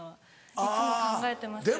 いつも考えてますけど。